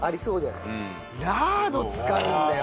ラード使うんだよ。